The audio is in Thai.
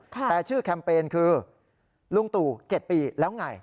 แต่ชื่อแคมเปญคือลุงตู่๗ปีแล้วไง